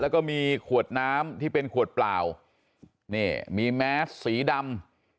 แล้วก็มีขวดน้ำที่เป็นขวดเปล่านี่มีแมสสีดำ